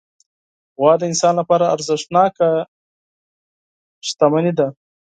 غوا د انسان لپاره ارزښتناکه شتمني ده.